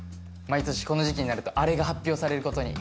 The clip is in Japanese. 毎年この時期になるとあれが発表されることに。